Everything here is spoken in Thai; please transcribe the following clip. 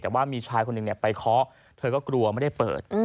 แต่ว่ามีชายคนหนึ่งไปเคาะเธอก็กลัวไม่ได้เปิด